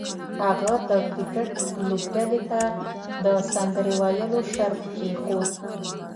هغه د کرکټ لوبډلې ته د سندرې ویلو شرط کېښود